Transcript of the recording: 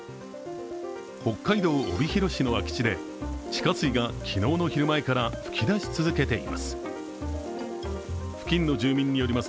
北海道帯広市の空き地で地下水が昨日の昼前から噴き出し続けています。